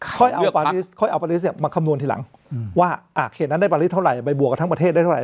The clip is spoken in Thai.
ค่อยเอาปาร์ตี้ลิสต์มาคำนวณทีหลังว่าเขตนั้นได้ปาร์ตี้ลิสต์เท่าไหร่ใบบวกกับทั้งประเทศได้เท่าไหร่